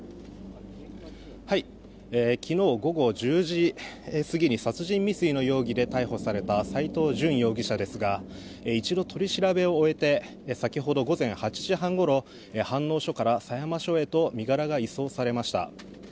昨日午後１０時過ぎに殺人未遂の容疑で逮捕された斎藤淳容疑者ですが一度、取り調べを終えて先ほど午前８時半ごろ飯能署から狭山署へと身柄が移送されました。